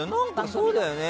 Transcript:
そうだよね。